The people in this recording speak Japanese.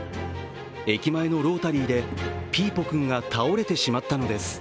駅前のロータリーでピーポくんが倒れてしまったのです。